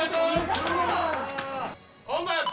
本番！